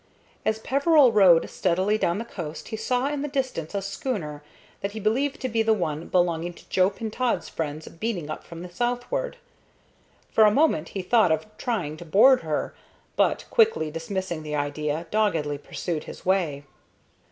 As Peveril rowed steadily down the coast he saw in the distance a schooner that he believed to be the one belonging to Joe Pintaud's friends beating up from the southward. For a moment he thought of trying to board her, but, quickly dismissing the idea, doggedly pursued his way.